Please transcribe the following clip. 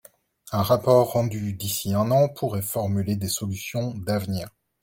Un rapport rendu d’ici un an pourrait formuler des solutions d’avenir.